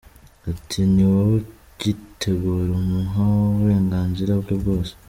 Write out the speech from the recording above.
Ati "Ni wowe ugitegura umuha uburenganzira bwe bwose.